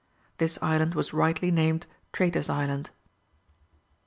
This island was rightly named Traitors' Island.